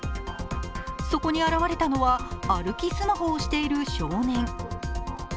そこに現れたのは歩きスマホをしている少年。